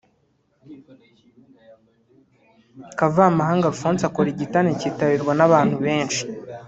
Kavamahanga Alphonse akora igiterane cyikitabirwa n'abantu benshi